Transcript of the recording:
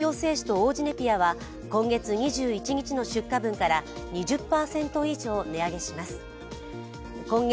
大王製紙と王子ネピアは今月２１日の出荷分から２０％以上値上げします。